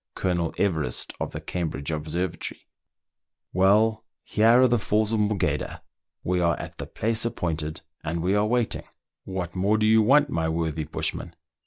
Colonel Everest, of the Cam bridge Observatory. Well, here are the P'alls of Morgheda, MERIDIANA; THE ADVENTURES OF we are at the place appointed, and we are waiting : what more do you want, my worthy bushman